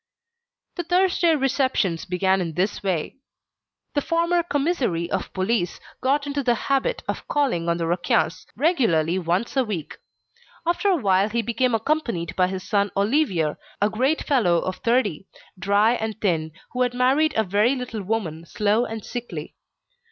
The Thursday receptions began in this way: the former commissary of police got into the habit of calling on the Raquins regularly once a week. After a while he came accompanied by his son Olivier, a great fellow of thirty, dry and thin, who had married a very little woman, slow and sickly.